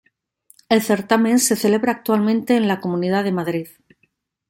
El certamen se celebra actualmente en la Comunidad de Madrid.